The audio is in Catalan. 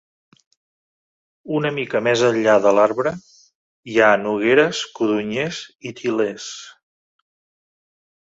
Una mica més enllà de l'arbre hi ha nogueres, codonyers i til·lers.